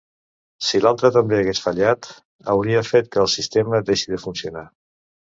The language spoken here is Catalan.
Si l'altre també hagués fallat, hauria fet que el sistema deixi de funcionar.